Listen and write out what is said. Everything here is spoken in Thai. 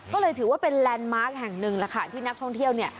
ก็เลยถือว่าเป็นแลนด์มาร์คแห่งหนึ่งแหละค่ะที่นักท่องเที่ยวเนี่ย